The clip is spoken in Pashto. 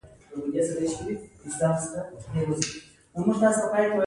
هغه یوه ډېره مهمه پرېکړه وکړه